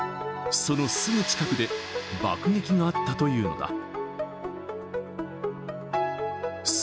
そのすぐ近くで爆撃があったというのだ。